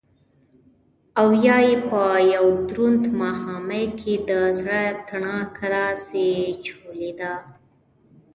او يا يې په يو دروند ماښامي کښې دزړه تڼاکه داسې چولې ده